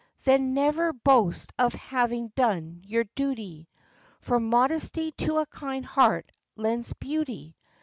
Then never boast of having done your duty ; For modesty to a kind heart lends beauty.